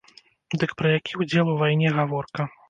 Дык пра які ўдзел у вайне гаворка?